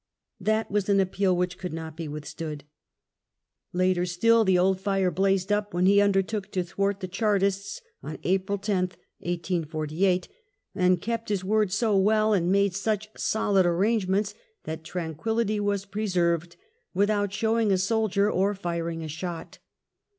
That was an appeal which could not be withstood. Later still, the old fire blazed up when he undertook to thwart the Chartists on April 10th, 1848, and kept his word so well, and made such solid arrangements, that tranquillity was preserved without showing a soldier or firing a shot.